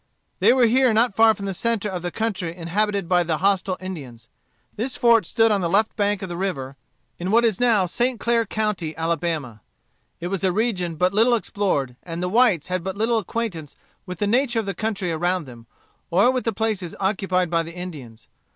They were here not far from the centre of the country inhabited by the hostile Indians. This fort stood on the left bank of the river, in what is now St. Clair County, Alabama. It was a region but little explored, and the whites had but little acquaintance with the nature of the country around them, or with the places occupied by the Indians.